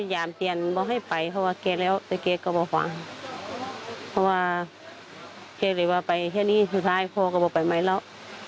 พยายามเตรียมบอกให้ไปเพราะว่าเกรียร์แล้วแต่เกรียร์ก็ไม่ฟังเพราะว่าเกรียร์เลยว่าไปแค่นี้สุดท้ายพ่อก็ไม่ไปไหมแล้ว